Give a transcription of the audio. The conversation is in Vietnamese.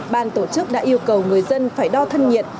ban tổ chức đã yêu cầu người dân phải đo thân nhiệt